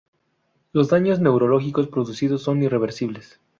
Los daños neurológicos producidos son irreversibles.